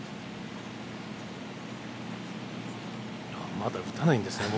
まだ打たないんですね。